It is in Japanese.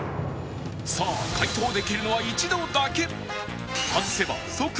さあ解答できるのは一度だけ